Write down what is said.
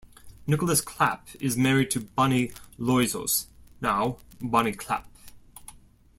Nicholas Clapp is married to Bonnie Loizos, now Bonnie Clapp.